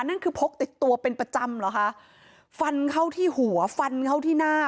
นั่นคือพกติดตัวเป็นประจำเหรอคะฟันเข้าที่หัวฟันเข้าที่หน้า